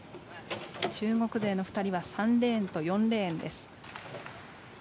中国勢の２人は３レーン、４レーン。